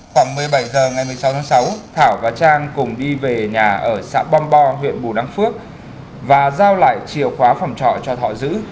khoảng một mươi bảy h ngày một mươi sáu tháng sáu thảo và trang cùng đi về nhà ở xã bong bo huyện bù đăng phước và giao lại chìa khóa phòng trọ cho thọ giữ